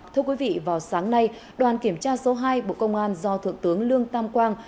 thưa quý vị vào sáng nay đoàn kiểm tra số hai bộ công an do thượng tướng lương tam quang